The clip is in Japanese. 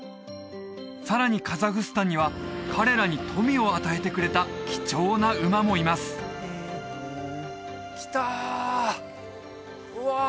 さらにカザフスタンには彼らに富を与えてくれた貴重な馬もいます来たうわ